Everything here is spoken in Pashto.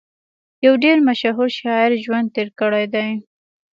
يو ډېر مشهور شاعر ژوند تېر کړی دی